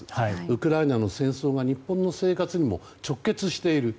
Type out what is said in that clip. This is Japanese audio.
ウクライナの戦争が日本の生活にも直結している。